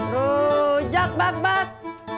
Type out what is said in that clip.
rojak bak bak